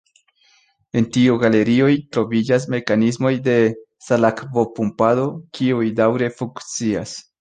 En tiuj galerioj, troviĝas mekanismoj de salakvo-pumpado, kiuj daŭre funkcias.